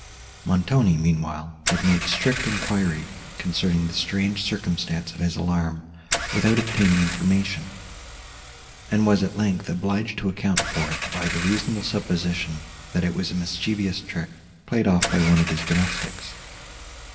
Montoni, meanwhile, had made strict enquiry concerning the strange circumstance of his alarm, without obtaining information; and was, at length, obliged to account for it by the reasonable supposition, that it was a mischievous trick played off by one of his domestics.